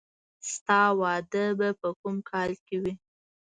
د تا واده به په کوم کال کې وي